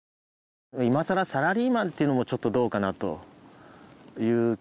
今さらサラリーマンっていうのもちょっとどうかなという気もしてて。